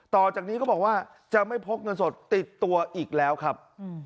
ต่อจากนี้ก็บอกว่าจะไม่พกเงินสดติดตัวอีกแล้วครับ